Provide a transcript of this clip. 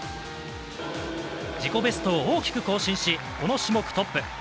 自己ベストを大きく更新しこの種目、トップ。